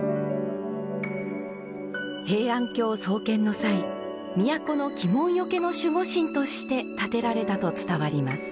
平安京創建の際都の鬼門除けの守護神として建てられたと伝わります。